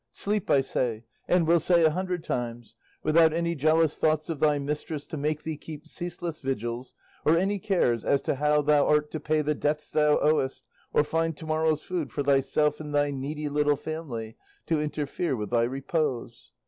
Sleep, I say, and will say a hundred times, without any jealous thoughts of thy mistress to make thee keep ceaseless vigils, or any cares as to how thou art to pay the debts thou owest, or find to morrow's food for thyself and thy needy little family, to interfere with thy repose.